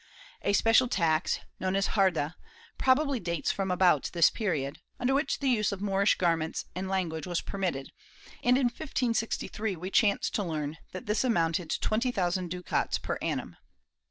A special tax, known as ]arda, probably dates from about this period, under which the use of Moorish garments and language was permitted and, in 1563, we chance to learn that this amounted to twenty thousand ducats per annum.